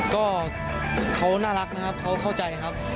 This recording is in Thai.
ก็เขาน่ารักนะครับเขาเข้าใจครับ